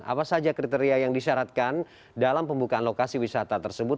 apa saja kriteria yang disyaratkan dalam pembukaan lokasi wisata tersebut